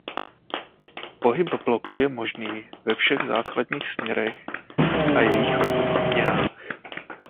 Pohyb bloku je možný ve všech základních směrech a jejich obměnách.